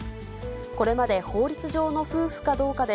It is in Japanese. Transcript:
これまで法律上の夫婦かどうかで、